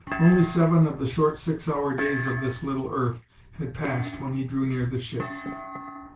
Only seven of the short six hour days of this little earth had passed when he drew near the ship.